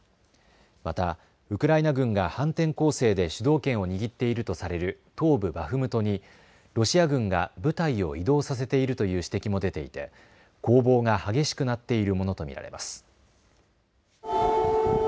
またウクライナ軍が反転攻勢で主導権を握っているとされる東部バフムトにロシア軍が部隊を移動させているという指摘も出ていて攻防が激しくなっているものと見られます。